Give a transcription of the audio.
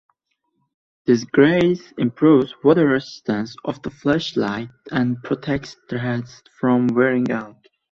This grease improves water resistance of the flashlights and protects threads from wearing out.